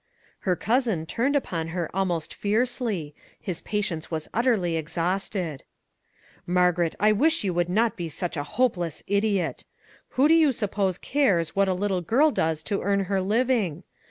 Her cousin turned upon her almost fiercely; his patience was utterly exhausted. " Margaret, I wish you would not be such a hopeless idiot! Who do you suppose cares what a little girl does to earn her living?